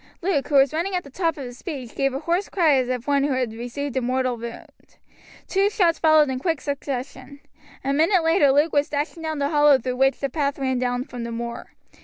Luke, who was running at the top of his speed, gave a hoarse cry as of one who had received a mortal wound. Two shots followed in quick succession. A minute later Luke was dashing down the hollow through which the path ran down from the moor.